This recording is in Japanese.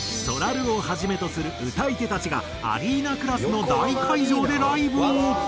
そらるをはじめとする歌い手たちがアリーナクラスの大会場でライブを。